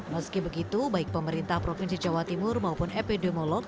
meski begitu baik pemerintah provinsi jawa timur maupun epidemiolog